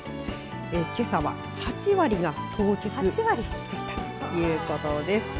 けさは８割が凍結していたということです。